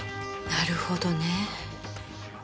なるほどね。